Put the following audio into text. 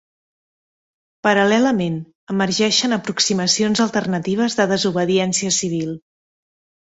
Paral·lelament emergeixen aproximacions alternatives de desobediència civil.